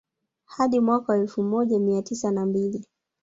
Hadi mwaka wa elfu moja mia tisa na mbili